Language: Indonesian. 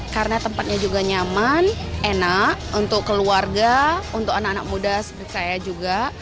karena tempatnya juga nyaman enak untuk keluarga untuk anak anak muda seperti saya juga